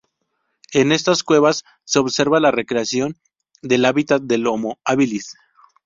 En estas cuevas se observa la recreación del hábitat del Homo habilis.